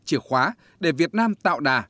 chìa khóa để việt nam tạo đà